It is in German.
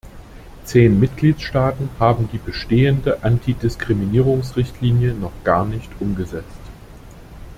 Zehn Mitgliedstaaten haben die bestehende Antidiskriminierungsrichtlinie noch gar nicht umgesetzt.